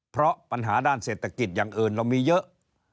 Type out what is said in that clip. เพราะปัญหาด้านเศรษฐกิจอย่างอื่นเรามีเยอะ